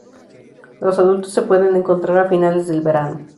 Los adultos se pueden encontrar a finales del verano.